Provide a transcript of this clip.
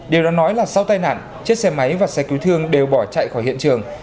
điều đó nói là sau tai nạn chiếc xe máy và xe cứu thương đều bỏ chạy khỏi hiện trường